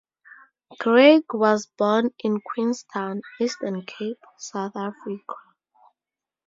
Greig was born in Queenstown, Eastern Cape, South Africa.